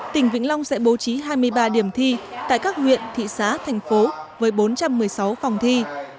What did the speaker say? tỉnh vĩnh long sẽ bố trí hai mươi ba điểm thi tại các huyện thị xã thành phố với bốn trăm một mươi sáu phòng thi